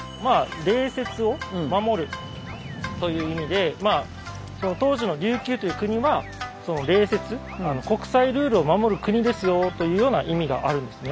礼節を守るという意味で当時の琉球という国は礼節・国際ルールを守る国ですよというような意味があるんですね。